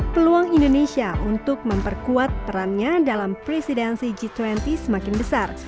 peluang indonesia untuk memperkuat perannya dalam presidensi g dua puluh semakin besar